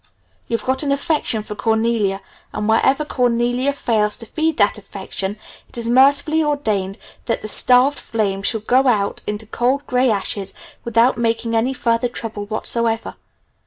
You've got an 'affection' for Cornelia, and wherever Cornelia fails to feed that affection it is mercifully ordained that the starved flame shall go out into cold gray ashes without making any further trouble whatsoever.